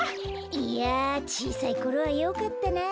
いやちいさいころはよかったな。